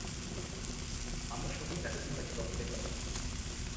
আমরা সকল ডেটা পুনরায় ক্রস চেক করে দেখব!